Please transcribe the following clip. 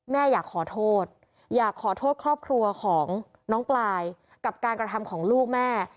แม่อยากขอโทษอยากขอโทษครอบครัวของน้องปลายกับการกระทำของลูกแม่